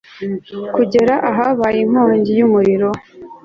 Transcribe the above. kugera ahabaye inkongi y'umuriro